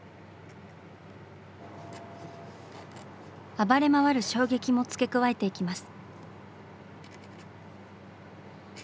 暴れ回る衝撃も付け加えていきます。